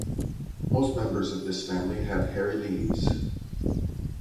Most members of this family have hairy leaves.